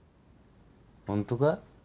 ホントか？